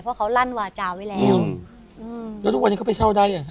เพราะเขาลั่นวาจาไว้แล้วอืมแล้วทุกวันนี้เขาไปเช่าได้อ่ะ